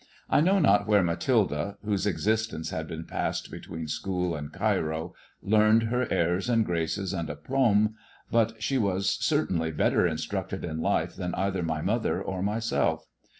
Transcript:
I know not where Mathilda, whose existence had been passed between school and Cairo, learned her airs and graces and apUmbj but she was certainly better instructed in life than either my mother or myself.